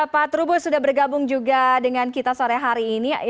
pak trubus sudah bergabung juga dengan kita sore hari ini